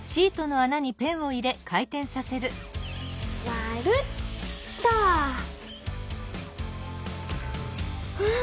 まるっと！うわ！